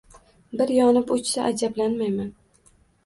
bir yonib o‘chsa, ajablanmayman.